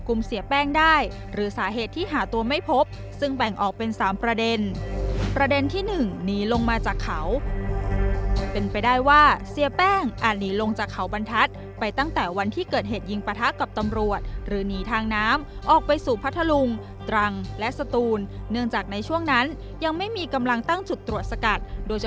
เสียแป้งได้หรือสาเหตุที่หาตัวไม่พบซึ่งแบ่งออกเป็นสามประเด็นประเด็นที่หนึ่งหนีลงมาจากเขาเป็นไปได้ว่าเสียแป้งอาจหนีลงจากเขาบรรทัศน์ไปตั้งแต่วันที่เกิดเหตุยิงปะทะกับตำรวจหรือหนีทางน้ำออกไปสู่พัทธลุงตรังและสตูนเนื่องจากในช่วงนั้นยังไม่มีกำลังตั้งจุดตรวจสกัดโดยช